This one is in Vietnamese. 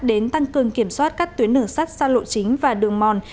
đến tăng cường kiểm soát các tuyến đường sắt xa lộ chính và đường mòn